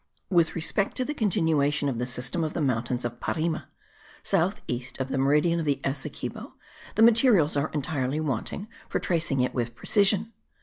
With respect to the continuation of the system of the mountains of Parime, south east of the meridian of the Essequibo, the materials are entirely wanting for tracing it with precision.